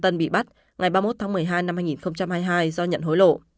trước đó ngày ba mươi một tháng một mươi hai năm hai nghìn hai mươi hai do nhận hối lộ